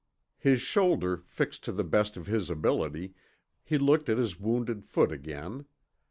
His shoulder fixed to the best of his ability, he looked at his wounded foot again.